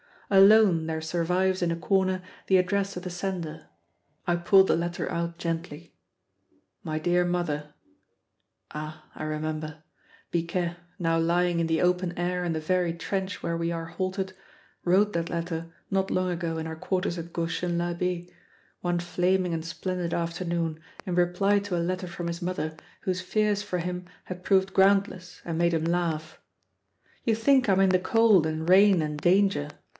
Alone there survives in a corner the address of the sender. I pull the letter out gently "My dear mother" Ah, I remember! Biquet, now lying in the open air in the very trench where we are halted, wrote that letter not long ago in our quarters at Gauchin l'Abbe, one flaming and splendid afternoon, in reply to a letter from his mother, whose fears for him had proved groundless and made him laugh "You think I'm in the cold and rain and danger.